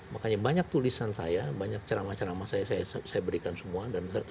makanya banyak tulisan saya banyak ceramah ceramah saya berikan semua